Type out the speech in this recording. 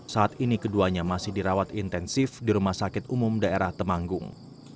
saat ini keduanya masih dirawat intensif di rumah sakit umum daerah temanggung